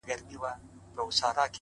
o را سهید سوی ـ ساقي جانان دی ـ